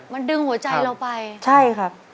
มันดึงหัวใจเราไปใช่ครับ